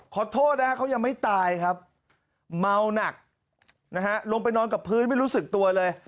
ขอโทษนะฮะเขายังไม่ตายครับเมาหนักนะฮะลงไปนอนกับพื้นไม่รู้สึกตัวเลย